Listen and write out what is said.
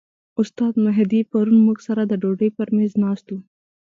استاد مهدي پرون موږ سره د ډوډۍ پر میز ناست و.